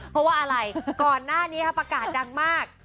เพราะว่าอะไรก่อนหน้านี้ประกาศดังมาก